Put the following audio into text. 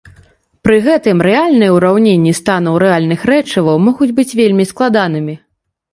Пры гэтым рэальныя ўраўненні станаў рэальных рэчываў могуць быць вельмі складанымі.